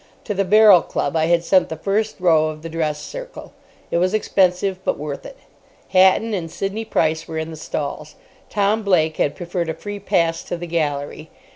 To the Barrel Club I had sent the first row of the dress circle. It was expensive, but worth it. Hatton and Sidney Price were in the stalls. Tom Blake had preferred a free pass to the gallery.